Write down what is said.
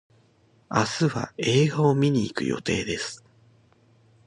明日は映画を見に行く予定です。